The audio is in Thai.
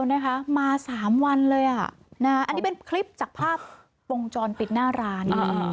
ห้องน้ำปั๊มมีไหม